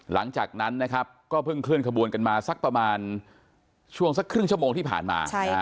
หลังจากนั้นนะครับก็เพิ่งเคลื่อนขบวนกันมาสักประมาณช่วงสักครึ่งชั่วโมงที่ผ่านมา